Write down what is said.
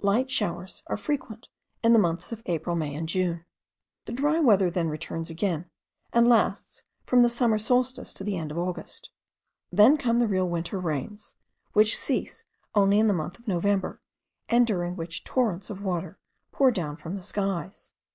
Light showers are frequent in the months of April, May, and June. The dry weather then returns again, and lasts from the summer solstice to the end of August. Then come the real winter rains, which cease only in the month of November, and during which torrents of water pour down from the skies.